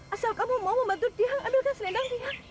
asal kamu mau membantu tiang ambilkan selendang tiang